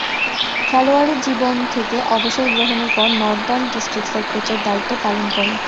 খেলোয়াড়ী জীবন থেকে অবসর গ্রহণের পর নর্দার্ন ডিস্ট্রিক্টসের কোচের দায়িত্ব পালন করেন।